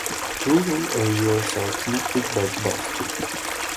Rural areas are connected by bus, too.